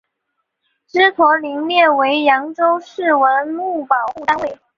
祗陀林列为扬州市文物保护单位。